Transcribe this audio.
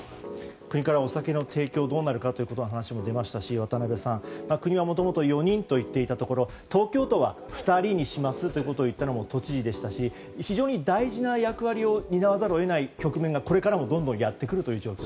国からお酒の提供がどうなるかという話も出たし国はもともと４人と言っていたところ東京都は２人にしますということを言ったのも都知事でしたし非常に大事な役割を担わざるを得ない局面がこれからもどんどんやってくるという。